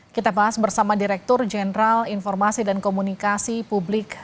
kita bahas bersama direktur jenderal informasi dan komunikasi publik